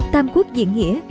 tam quốc diện nghĩa